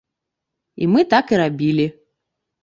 І мы так і рабілі.